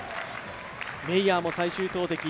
メイヤーも最終投てき。